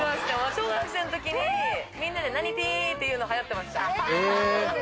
小学生のときに、みんなで何ティーっていうの流行ってました。